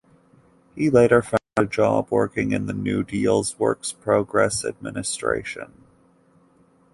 He later found a job working in the New Deal's Works Progress Administration.